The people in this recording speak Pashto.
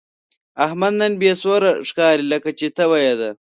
احمد نن بې سوره ښکاري، لکه چې تبه یې ده.